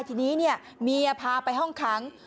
ทีนี้เมียพาไปห้องขัง